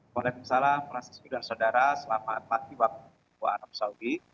waalaikumsalam prasidara saudara selamat pagi waktu buah arab saudi